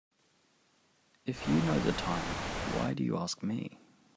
If you know the time why do you ask me?